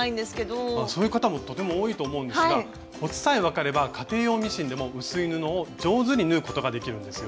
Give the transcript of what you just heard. そういう方もとても多いと思うんですがコツさえ分かれば家庭用ミシンでも薄い布を上手に縫うことができるんですよ。